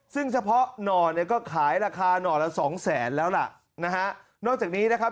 ซึ่งเฉพาะหน่อเนี่ยก็ขายราคาหน่อละสองแสนแล้วล่ะนะฮะนอกจากนี้นะครับ